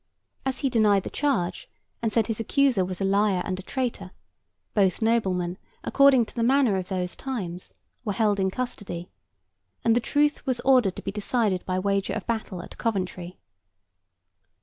As he denied the charge and said his accuser was a liar and a traitor, both noblemen, according to the manner of those times, were held in custody, and the truth was ordered to be decided by wager of battle at Coventry.